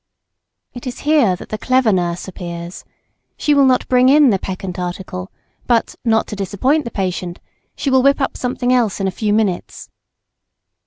It is here that the clever nurse appears; she will not bring in the peccant article, but, not to disappoint the patient, she will whip up something else in a few minutes.